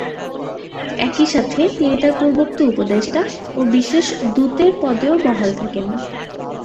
একই সাথে তিনি তার পূর্বোক্ত উপদেষ্টা ও বিশেষ দূতের পদেও বহাল থাকেন।